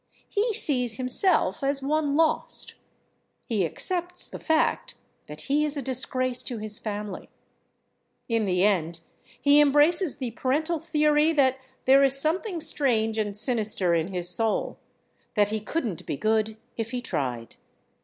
He sees himself as one lost; he accepts the fact that he is a disgrace to his family; in the end, he embraces the parental theory that there is something strange and sinister in his soul, that he couldn't be good if he tried.